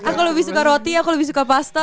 aku lebih suka roti aku lebih suka pasta